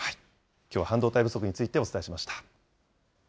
きょうは半導体不足についてお伝えしました。